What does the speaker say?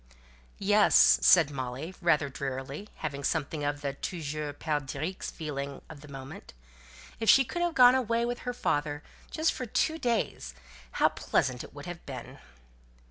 "Yes," said Molly, rather drearily, having something of the "toujours perdrix" feeling at the moment. If she could but have gone away with her father, just for two days, how pleasant it would have been.